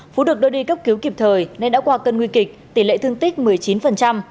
phú được đưa đi cấp cứu kịp thời nên đã qua cơn nguy kịch tỷ lệ thương tích một mươi chín